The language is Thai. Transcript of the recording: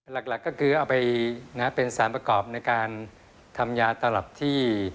หลักก็คือเอาไปเป็นสารประกอบในการทำยาตลับที่